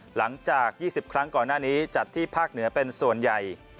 หลังจาก๒๐ครั้งก่อนหน้านี้จัดที่ภาคเหนือเป็นส่วนใหญ่